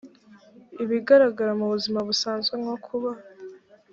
ibigaragara mu buzima busanzwe nko kuba